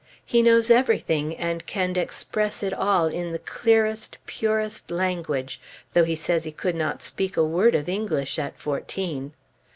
He knows everything, and can express it all in the clearest, purest language, though he says he could not speak a word of English at fourteen!